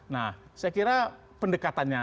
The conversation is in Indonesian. nah saya kira pendekatannya